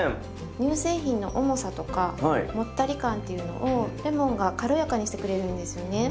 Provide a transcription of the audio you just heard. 乳製品の重さとかもったり感っていうのをレモンが軽やかにしてくれるんですよね。